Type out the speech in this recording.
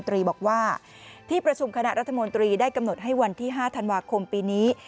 รัฐมนตรีได้กำหนดให้วันที่๕ธันวาคมปีนี้